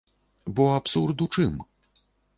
Бо абсурд ў чым?